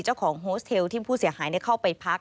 โฮสเทลที่ผู้เสียหายเข้าไปพัก